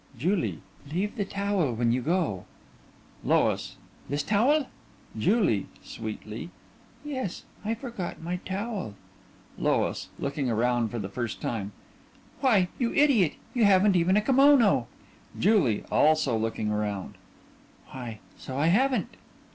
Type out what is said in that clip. JULIE: Leave the towel when you go. LOIS: This towel? JULIE: (Sweetly) Yes, I forgot my towel. LOIS: (Looking around for the first time) Why, you idiot! You haven't even a kimono. JULIE: (Also looking around) Why, so I haven't.